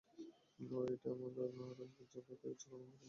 ওহ, এইটা আমার না রাস্তায় কয়েক জায়গায় আমাদের থামতে হয়েছে লোকজন কোথায়?